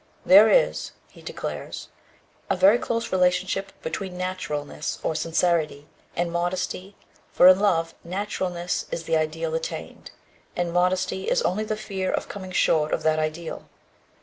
"There is," he declares, "a very close relationship between naturalness, or sincerity, and modesty, for in love, naturalness is the ideal attained, and modesty is only the fear of coming short of that ideal.